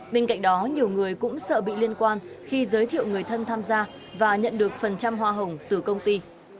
bên cạnh đó nhiều người cũng sợ bị liên quan khi giới thiệu người thân tham gia và nhận được phần trăm hoa hồng từ công ty